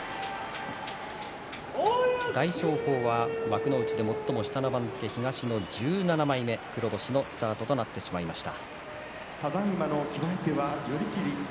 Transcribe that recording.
大翔鵬は幕内で最も下の番付東の１７枚目黒星のスタートとなってしまいました。